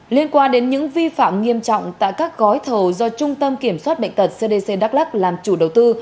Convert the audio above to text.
liên quan đến những vi phạm nghiêm trọng tại các gói thầu do trung tâm kiểm soát bệnh tật cdc đắk lắc làm chủ đầu tư